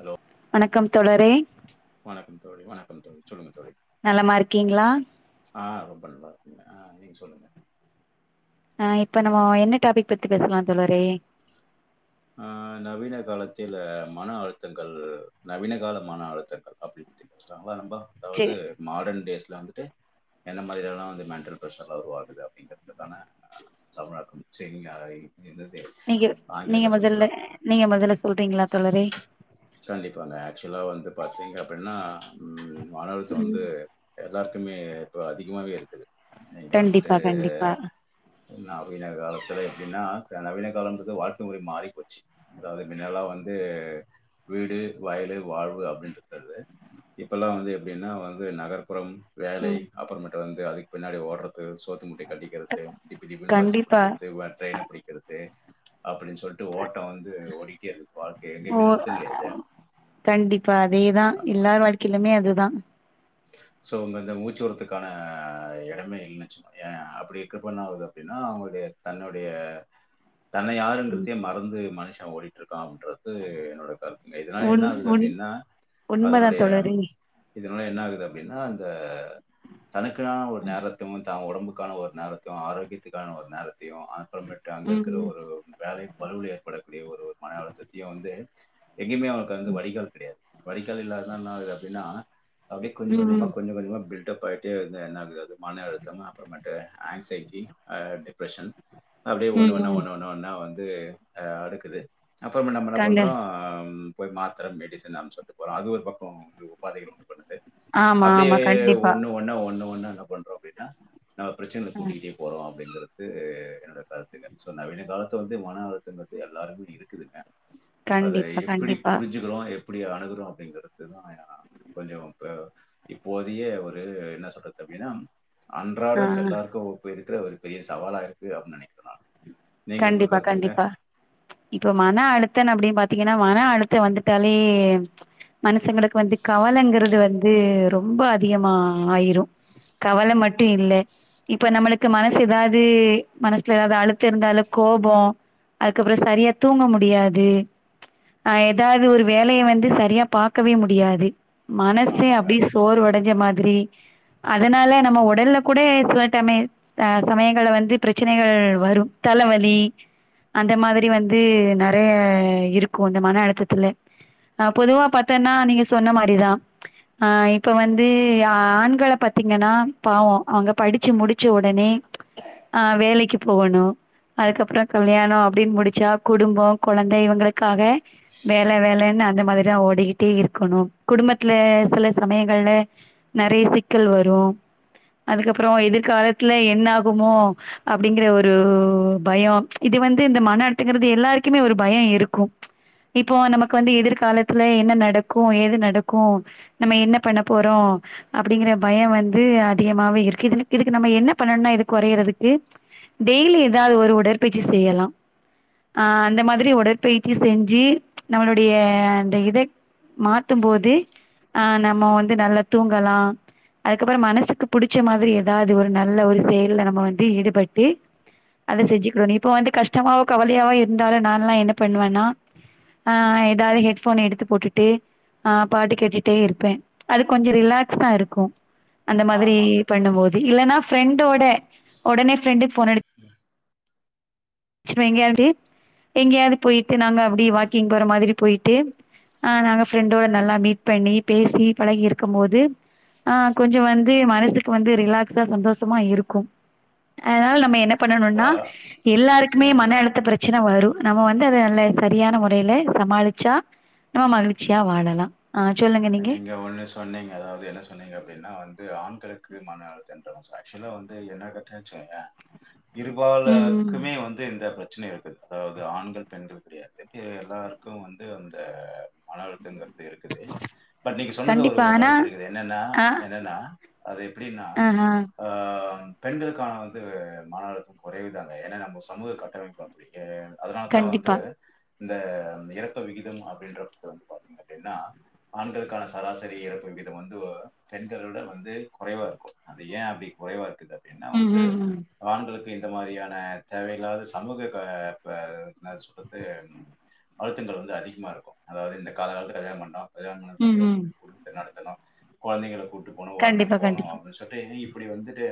Hello வணக்கம் தோழரே வணக்கம் தோழி வணக்கம் தோழி சொல்லுங்க தோழி நலமா இருக்கீங்ளா ஆ ரொம்ப நல்லா இருக்குங்க அ நீங்க சொல்லுங்க ஆ இப்ப நம்ம என்ன டாபிக் பத்தி பேசலா தோழரே ஆ நவீன காலத்தில மன அழுத்தங்கள் நவீன கால மன அழுத்தங்கள் அப்டின்ட்டு ஸ்ட்ராங்கா நண்பா சே அதாவது மாடர்ன் டேஸ்ல வந்துட்டு எந்த மாதிரி எல்லா வந்து மென்டல் ப்ரஷர்லா‌ உருவாகுது அப்டிங்குறதுக்கான அ தமிழாக்கம் சரியாய் என்னது நீங்க நீங்க ஆங்கிலத்த மொதல்ல சொல்லிக்கலா நீங்க மொதல்ல சொல்றீங்ளா தோழரே கண்டிப்பாங்க ஆக்சுவலா வந்து பாத்தீங்க அப்படின்னா ம் மன அழுத்தோ ம் வந்து எல்லாருக்குமே இப்போ அதிகமாவே இருக்குது இன்னு இப்ப வந்துட்டு கண்டிப்பா கண்டிப்பா நவீன காலத்துல எப்டினா இப்ப நவீன காலம்ன்றது வாழ்க்கை முறை மாறி போச்சு அதாது முன்னல்லா வந்து வீடு வயலு வாழ்வு அப்டினு இருக்கிறது இப்பல்லா வந்து எப்டின்னா வந்து நகர்ப்புறம் வேலை ம் அப்புறமேட்டு வந்து அதுக்கு பின்னாடி ஓடுறது சோத்து மூட்டைய கட்டிக்கிறது திபு திபுனு பஸ்ஸு கண்டிப்பா புடிக்கிறது ட்ரெயனை புடிக்கிறது அப்டினு சொல்லிட்டு ஓட்டம் வந் ஓ கிடையாது கண்டிப்பா அதேதா எல்லாரு வாழ கிலமே அதுதா சோ இங்க இந்த மூச்சு உரத்துக்கான எடமே இல்ல ஏ அப்படி இருக்கப்ப என்ன ஆவுது அப்டினா அவுங்களுடைய தன்னுடைய தன்ன ம் யாருங்கிறதயே மறந்து மனுஷ ஓடிட்டுருக்கான்ற இது என்னோட கருத்துங்க இதனால என்ன உண் ஆகுது உண் அப்டினா உண்மதா அதனுடைய தோழரே இதனால என்ன ஆகு து அப்டினா அந்த தனக்கான ஒரு ம் நேரத் து தான் ஒடம்புக்கான ஒரு நேரத்தையு ஆரோக்கியத்துக்கான ஒரு நேரத்தையு அ அப்புறமேட்டு அங்க இருக்கற ம் ஒரு வேலை பழுவுல ஏற்படக்கூடிய ஒரு ஒரு மனஅழுத்தத்தையு வந்து எங்கேயுமே அவனுக்கு வந்து வடிகால் கிடையாது வடிகால் இல்லாதனால என்னாகுது அப்டினா கொஞ்ச கொஞ்சமா ம் கொஞ்ச கொஞ்சமா பில்டுஅப் ஆயிட்டே இருந்தா என்னாகுறது மனஅழுத்தம் தா அப்புறமேட் அ ஆன்சைட்டி ஆ டிப்ரஷேன் அப்டியே ம் ஒண்ணு ஒண்ணா ம் ஒண்ணு ஒண் னா வந்து அ அடுக்குது அப்புறமே நம்ம என்ன கண்ட பண்றோ போய் மாத்தர மெடிசன் அப்டின் சொல்ட்டு போறோ அது ஒரு பக்கோ வ உபாதைகள உண்டு பண்ணுது ஆமா அப்டே ஆமா கண்டிப்பா ஒண்ணு ஒண்ணா ஒண்ணு ஒண்ணா என்ன பண்றோ அப்டின்னா நம்ம பிரச்சனைகள ஆ கூட்டிட்டே போறோ அப்டிங்கிற இது என்னோட கருத்துங்க சோ நவீன காலத்துலருந்து மன அழுத்தங்குறது எல்லாருக்கு இருக்குதுங்க அத கண்டிப்பா எப்படி கண்டிப்பா புரிஞ்சிக்கிறோ எப்படி அணுகுறோ அப்டிங்கறதுதா கொஞ்சோ ப்ப இப்போதைய ஒரு என்ன சொல்றது அப்டினா ஆ அன்றாட எல்லாருக்கு ஒப்பிருக்கிற ஒரு பெரிய சவாலா இருக்கு அப்டின் நனைக்கிற நானு நீங்க உங்க‌ கண்டிப்பா கருத்துங்க கண்டிப்பா இப்ப மன அழுத்தன் அப்டின் பாத்தீங்கன்னா மன அழுத்தோ வந்துட்டாலே மனுஷங்களுக்கு வந்து கவலைங்கறது வந்து ரொம்ப அதிகமா ஆயிரு கவல மட்டு இல்ல இப்ப நம்மளுக்கு மனசு ஏதாவது மனசுல ஏதாவது அழுத்தோ இருந்தாலு கோபோ அதுக்கப்பறோ சரியா தூங்க முடியாது ஆ ஏதாவது ஒரு வேலைய வந்து சரியா பாக்கவே முடியாது மனசுமே ஆமாங்க அப்டே போர் ஒடஞ்ச மாதிரி அதனால நம்ம ஒடல்ல கூட சில டைமே அ சமயங்கள்ல வந்து பிரச்சனைகள் வரு தல வ வே அந்த மாதிரி வந்து நறைய இருக்கு இந்த மன அழுத்தத்துல அ பொதுவா பாத்தோன்னா நீங்க சொன்ன மாரிதா ஆ இப்ப வந்து ஆண்கள பாத்தீங்கன்னா பாவோ அவுங்க படிச்சு முடிச்ச உடனே ஆ வேலைக்கு போகணு அதுக்கப்றோ கல்யாணோ அப்டின்னு முடிச்சா குடும்போ கொழந்தை இவங்களுக்காக வேல வேலன்னு அந்த மாதிரியா ஓடிகிட் டே இருக்கணு குடும்பத்துல சில சமயங்கள்ல நெறைய சிக்கல் வரு அதுக்கப்புறோ எதிர்காலத்துல என்ன ஆகுமோ அப்படிங்கற ஒரு பயோ இது வந்து இந்த மன அழுத்தங்கிறது எல்லாருக்குமே ஒரு பயோ இருக்கு இப்போ நமக்கு வந்து எதிர்காலத்துல என்ன நடக்கு ஏது நடக்கு நம்ம என்ன பண்ண போறோ அப்டிங்கிற பயோ வந்து அதிகமாவே இருக்கு இது இதுக்கு நம்ம என பண்ணணும்னா இது குறையறதுக்கு டெய்லி ஏதாவு ஒரு உடற்பயிச்சி செய்யலா அ அந்த மாதிரி உடற்பயிச்சி செஞ்சி நம்மளுடைய அந்த இதக் மாத்து போது ஆ நம்ம வந்து நல்லா தூங்கலா அதுக்கப்பறோ மனசுக்கு புடிச்ச மாதிரி ஏதாவ்து ஒரு நல்ல ஒரு செயல்ல நம்ம வந்து ஈடுபட்டு அத செஞ்சுக்ரு நீ இப்ப வந்து கஷ்டமாவோ கவலையாவோ இருந்தாலு நான்லா என்ன பண்ணுவேன்னா ஆ ஏதாவு ஹெட்ஃபோன் எடுத்து போட்டுட்டு ஆ பாட்டு கேட்டுட்டே இருப்பே அது கொஞ்சு ரிலாக்ஸ்டா இருக்கு அந்த மாதிரி ஆமாங்க பண்ணும் போது இல்லன்னா ஃப்ரெண்டோட உடனே ஃப்ரெண்டுக் ஃபோனடி ம் ச்சுவ எங்யான்ட்டி எங்யாவ்து போய்ட்டு நாங்க அப்படி வாக்கிங் போற மாதிரி போய்ட்டேம் ஆ நாங்க ஃப்ரெண்டோ ம் நல்லா மீட் பண்ணி பேசி பழகிருக்கு போது ஆ கொஞ்சோ வந்து மனசுக்கு வந்து ரிலாக்ஸா சந்தோஷமா இருக்கு அனால் நம்ம என்ன இப்போ பண்ணனுன்னா எல்லாருக்குமே நீங்க மன அழுத்த ப்ரத் ச்சின வரு நம்ம வந்து அத நல்லே சரியான முறைய்லே சமாளிச்சா ஆ மகிழ்ச்சியா வாழலா ஆ சொல்லுங்க நீங்க எவனஸ் சொன்னீங்க அதாவ்து என்ன சொன்னீங்க அப்டின்னா வந்து ஆண்களுக்கு மன அழுத்தன்ற ஸோ ஆக்ஷுலா வந்து என்ன டட்றச்சுய்ய [inaudible] இருபால ம் ம் க்குமே வந்து இந்த ப்ரச்சன இர்க்கு அதாவ்து ஆண்கள் பெண்கள் கிடையாத்துக்கே எல்லார்க்கு வந்து அந்த மன அழுத்தங்கள் ஏருக்குதே பட் நீங்க சொன்னது ஒரு கண்டிப்பா ஆனா கருத்து இருக்கு என்னென்னா ஆ என்னன்னா அது எப்டின்னா ஆ ஆ ஆம் பெண்களுக்கான வந்து மன அழுத்தம் குறைவுதாங்க ஏன்னா நம்ம சமூக கட்டமைப்பு ஆ அதனால தா வந்து கண்டிப்பா இந்த இறப்பு விகிதம் அப்டின்ற தவந்து பாத்தீங்க அப்டின்னா ஆண்களுக்கான சராசரி இறப்பு வீதம் வந்துவோ பெண்களோட வந்து குறைவா இருக்கு அது ஏ அப்டி குறைவா ருக்குது அப்டின்னா ம் வந்து ம் ம் ஆண்களுக்கு இந்த மாரியான தேவையில்லாத சமூக க ப என்ன சொறத்து எம் அழுத்தங்கள் வந்து அதிகமா இருக்கு அதாவ்து இந்த காலா காலத்ல கல்யாணம் பண்றோ கல்யாணம் ம் பண்ணதுக்கப்பறோ ம் குடுத்த நடத்தனு கொழந்தைங்கள கூட்டு போனு வரணும் கண்டிப்பா போனு கண்டிப்பா அப்டி சொல்ட்டே இப்படி வந்துட்டே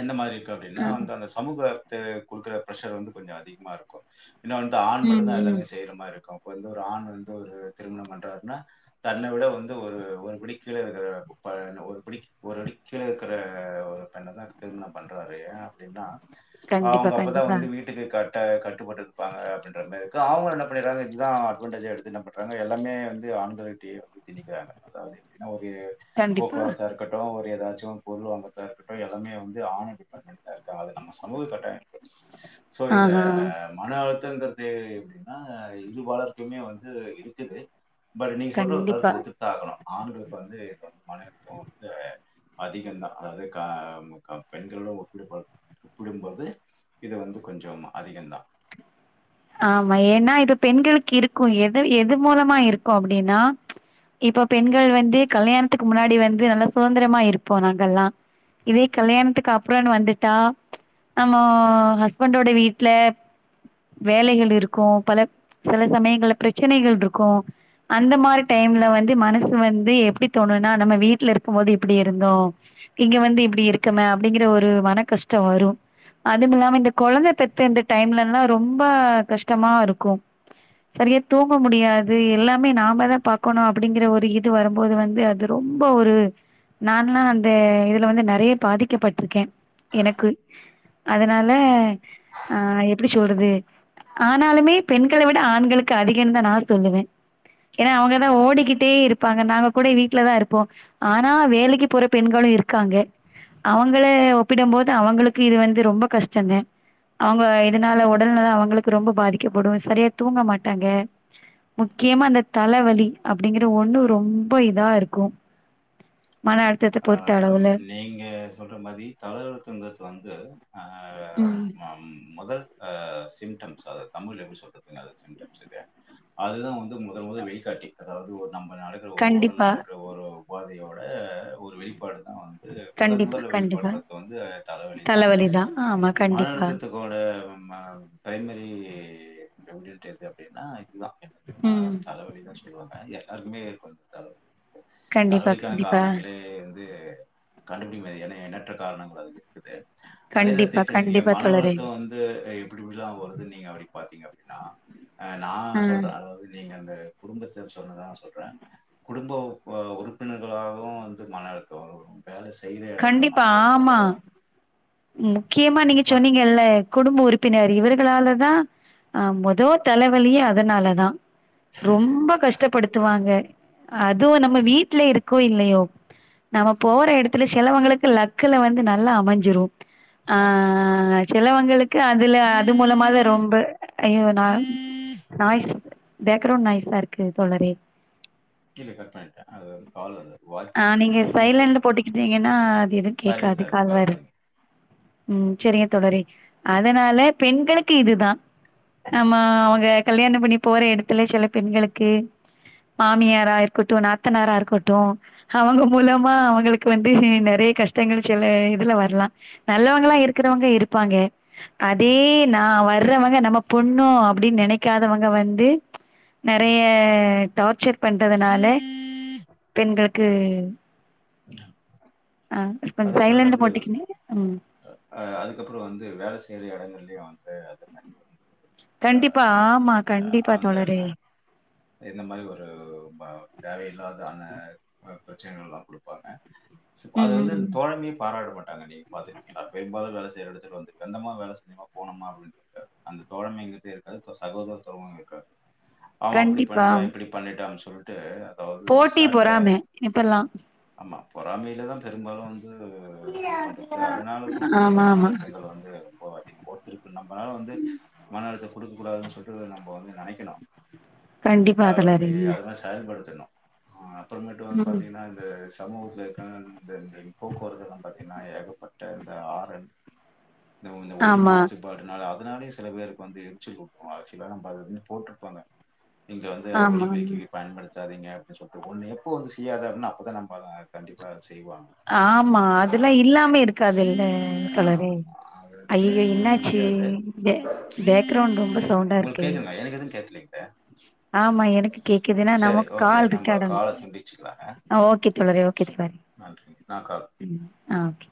எந்த மாதிரி இர்க்கு அப்டின்னா ஆ அந்த் அனஸ் சமூகத்த குடுக்ற ப்ரஷர் வந்து கொஞ்சு அதிக்மா இருக்கு இன்னா வந்த்து ஆண் ம் மட்டுதா ம் எல்லாமே செய்ற மார் இக்கு அப்ப வந்து ஒரு ஆண் வந்து ஒரு திருமணம் பண்றாருன்னா தன்ன விட வந்து ஒரு ஒரு பிடி கீழே இருக்ற குப்ப ந ஒரு பிடி ஒரு அடி கீழ இர்க்குற ஒரு பெண்ணதா திருமணம் பண்றாரே ஏ அப்டின்னா கண்டிப்பா அவங்க அப்பதான் கண்டிப்பா வந்து வீட் ண்கள் கரெக்டா கட்டுப்பட்டுருப்பாங்க அப்பின்ற மாரி இருக்கு அவுங்களு என பண்ணிறாங்க இது தா புட்டேஜ் எடுத்து என பண்றாங்க எல்லாமே வந்து ஆண்கள்டேயே வந்து திணிக்கிறாங்க அதாவது எப்டின்னா ஒரு கண்டிப்பா போக்குவரத்தா இருக்கட்டு ஒரு ஏதாச்சு பொருள் வாங்கற்தா இருக்கட்டு எல்லாமே வந்து ஆணு டிபாட்மெண் இருக்காது நம்ம சமூககட்டமைப்பு சோ இந்த ஆஹா மன அழுத்தங்கதே எப்டின்னா இருபாலர் இதுமே வந்து இருக்குது பட் நீ சொல்ற ஒரு கண்டிப்பா கருத்து ஒத்து ஆக்கணு ஆண்களுக்கு வந்து [unintelligible] அதிகந்தா அது கா பெண்களோட ஒப்பிடும் போது ஒப்பிடுபோது இது வந்து கொஞ்சோ அதிகம் தா ஆமா ஏன்னா இது பெண்களுக்கு இருக்கு எது எது மூலமா இருக்கு அப்டினா இப்ப பெண்கள் வந்து கல்யாணத்துக்கு முன்னாடி வந்து நல்லா சுதந்திரமா இருப்போ நாங்கல்லா இதே கல்யாணத்துக்கு அப்புறனு வந்துட்டா நம்ம ஹஸ்பண்டோட வீட்ல வேலைகள் இருக்கு பல சில சமயங்களல பிரச்சனைகள் இருக்கு அந்த மாரி டைம்ல வந்து மனசு வந்து எப்டி தோணுனா நம்ம வீட்ல இருக்கு போது எப்டி இருந்தோ இங்க வந்து இப்டி இருக்கம அப்டிங்கற ஒரு மனக் கஷ்டோ வரு அதும் இல்லாம இந்த கொழந்த பெத்த இந்த டைம்லல்லா ரொம்ப கஷ்டமா இருக்கு சரியா தூங்க முடியாது எல்லா நாம தா பாகக்கணு அப்படிங்கிற ஒரு இது வரும்போது வந்து அது ரொம்ப ஒரு நால்லா அந்த இதுல வந்து நெறைய பாதிக்கப்பட்டிருக்கே எனக்கு அதனால ம் ஆ எப்டி சொல்றது ஆனாலுமே பெண்கள விட ஆண்களுக்கு அதிகன் தா நா சொல்லுவ ஏனா ஆமா. அவங்கதா ஓடிக்கிட்டே இரு இருபாங்க நாங்க கூட வீட்லதா இருப்போ ஆனா வேலைக்கு போற பெண்களு இருக்காங்க அவங்கள ஒப்பிட போது அவங்களுக்கு இது வந்து ரொம்ப கஷ்டந் த அவங்க இதனால உடல்நலோ அவங்களுக்கு ரொம்ப பாதிக்கப்படு சரியா தூங்க மாட்டாங்க முக்கியமா அந்த தலவலி அப்டிங்கற ஒண்ணு ரொம்ப இதா இருக்கு மன அ ஆ நீங்க சொல்ற மாரி தளர்த்துங்க வந்து ஆ ம். ம மொதல் அ சிம்டம்ஸ் அது தமிழ்ல எப்டி சொல்றது அ சிம்டம்ஸ் இது அதுதா வந்து முதல் முதல் வெளிகாட்டி அதாவது ஒரு நம் நடக்கிற உடல்லா கண்டிப்பா. நடக்கிற ஒரு பாதையோட ஒரு வெளிப்பாடு தா இது முதல் கண்டிப்பா, முதல்ல கண்டிப்பா. வெளிப்படுறது வந்து தலைவலிதா தலவலிதான். ஆமா மன கண்டிப்பா. அழுத்தத்த பிரைமரி வெவலட் எது அப்டின்னா இதுதா [unintelligible] என் மா ம். தலைவலி கஷ்டோ எல்லாருக்குமே ஏற்படு கண்டிப்பா, தலைவலிக்கான கண்டிப்பா. காரணோ ஏவந்து கண்டு வந்து என [unintelligible] எண்ணற்ற காரணங்கள் அது இருக்குது அதே நேரத்துல கண்டிப்பா, இப்ப நீங்க கண்டிப்பா மன தோழரே. அழுத்தோ வந்து எப்டி எப்டில்லா வருதுனு நீங்க அப்டி பாத்தீங்க அப்டின்னா அ நா ஆ. சொல்ற அதாவது நீங்க அந்த குடும்பத்த சொல்றதா சொல்றே குடும்ப உறுப்பினர்களாகவு மன அழுத்தோ வரு வேல செய்ற இடதுல மன கண்டிப்பா அழுத்தோ ஆமா. வரு முக்கியமா நீங்க பட் சொன்னீங்கல்லா குடும்ப உறுப்பினர் இவர்களால தா அ மொதோ தலவலியே அதனாலதா ரொம்ப கஷ்டப்படுத்துவாங்க ம் அதுவு நம்ம வீட்ல இருக்கோ இல்லையோ நம்ம ம் போற எடத்துல செலவங்களுக்கு லக்குல வந்து நல்லா அமஞ்சிரு அ ஆமா அ சிலவங்களுக்கு அதுல அது மூலமாதா ரொம்ப ஐயோ நா நாய்ஸ் பேக்கரவுண்ட் நாய்ஸ் ஆ இருக்கு தோழரே கீழச்சா [unintelligible] அது அது கால்லல வாய் ஆ நீங்க சைலண்ட்ல போட்டக்கிட்டீங்கன்னா அது எது சைலன்ட்டா கேடக்காத இருக்கு காது கவலப்படாதீங்க ம் சரியா தோழரே அதனால பெண்களுக்கு இதுதா ஆமா அவங்க கல்யாண பண்ணி போற இடத்துல சில பெண்களுக்கு மாமியாரா இருக்கட்டு நாத்தனாரா இருக்கட்டு அவங்க மூலமா அவங்களுக்கு வந்து நெறய கஷ்டங்கள் சில இதுல வரலா நல்லவங்களா இரு ஆமா இருக்கறவங்க இருப்பாங்க அதே ம் நா வர்றவங்க நம்ம பொண்ணோ அப்டின்னு நெனைக்காதவங்க வந்து ம் நெறைய டார்ச்சர் பண்றதுனால பெண்களுக்கு [unintelligible] ஆ அத கொஞ்சம் எப்பண்டு சைலண்ட்ல வந்து போட்டுக்கினு ம். அ அதுக்கப்றோ வந்து வேல செய்யற எடங்கள்லயே வந்து அது மாரி வந்து அ கண்டிப்பா ஆமா அ கண்டிப்பா அந்த ம தோழரே இந்த மாரி ஒரு ம தேவையில்லாதான ப பிரச்சனைகள் எல்லா குடுப்பாங்க சி அப்ப அது ம் வந்து ம் தோழமையே பாராட்ட மாட்டாங்க நீ பாத்திருக்கீங்களா பெரும்பாலு வேல செய்யுற எடத்துல வந்து வெந்தமா வேலை செஞ்சமா போனமா அப்படின் இருக்காது அந்த தோழம இங்குட்டு இருக்காது சகோதரத்துவம் இருக்காது ஆமா அப்டி கண்டிப்பா பண்ணிட்டா இப்டி பண்ணிட்டான் சொல்ட் தே அதாவது போட்டி சாட்டே பொறாம இப்பல்லா ஆமா பொறாமையில தா பெரும்பாலு வந்து து உண்டு பண்றது அதனால குடும்பத்தோட ஆமா மன ஆமா அழுத்தங்கள் வந்து ரொம்ப அதிகோ திருக்கு நம்மளால வந்து மன அழுத்த குடுக்கக்க கூடாதுன்னு சொல்டு நம்ம வந்து நெனைக்கணு கண்டிப்பா அது தோழரே மே அது மாதி செயல் படுத்திணு ஆ அப்புற மேட்டு வந்து ம் பாத்தீங்கன்னா இந்த சமூகத்தில இருக்க இந்த இந்த போக்குவரத்துலா பாத்தீன்னா ஏகப்பட்ட இந்த ஆரன் நம்ம இந்த ஒலி ஆமா மாசுக் பட் நால அதனாலயு சில பேருக் வந்து எரிச்சல் ஊட்டு ஆக்சுவலா நம்ம அததுன் போட்டுருப்பாங்க இங்க வந்து ஆமா ஒளிபெருக்கி ஆமா பயன்படுத் வச்சாதீங்க அப்படின் சொல்ட்டு ஒன்னு எப்ப வந்து செய்யாத அப்பன்னா அப்பதா நம்ம கண்டிப்பா செய்வாங்க ஆமா அதுல்லா இல்லாமே இருக்காதுல்ல கலரு அது அய்யய்ய தவிர்க்கவே என்னாச்சி முடியாது பே பேக்ரவுண்ட் ரொம்ப சவுண்டா உங்களுக்கு இருக்கே கேக்குதுங்களா எனக்கு எதுவு கேக்கலீங்களே ஆமா எனக்கு கேக்குதுன்னா சரி நமக்கு ஓகே கால் இருக்க நம்ம கால துண்டிச்சுக்கலாங்க ஆ ஓகே தோழரே ஓகே தோழரே நன்றி நா கால் ம் ஆ ஓகே